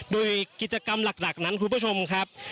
โดยกิจกรรมหลักนั้นคุณผู้ชมครับ